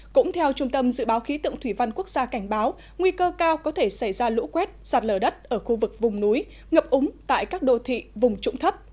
cũng theo trung tâm dự báo khí tượng thủy văn quốc gia cảnh báo nguy cơ cao có thể xảy ra lũ quét sạt lở đất ở khu vực vùng núi ngập úng tại các đô thị vùng trụng thấp